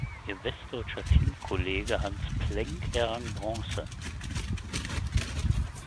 Ihr westdeutscher Teamkollege Hans Plenk errang Bronze.